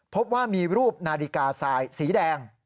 พบว่ามีรูปนาฬิกาทรายสีแดง